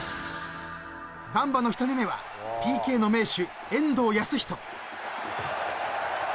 ［ガンバの１人目はＰＫの名手］